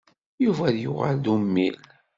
Yuba ad yuɣal d ummil.